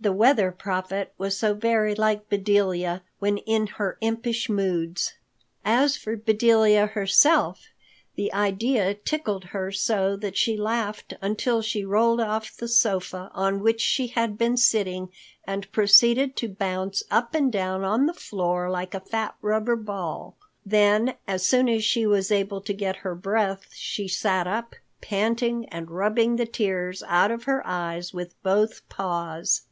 The Weather Prophet was so very like Bedelia when in her impish moods. As for Bedelia herself, the idea tickled her so that she laughed until she rolled off the sofa on which she had been sitting and proceeded to bounce up and down on the floor like a fat rubber ball. Then as soon as she was able to get her breath, she sat up, panting and rubbing the tears out of her eyes with both paws.